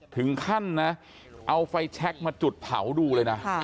ถึงขั้นนะเอาไฟแชคมาจุดเผาดูเลยนะ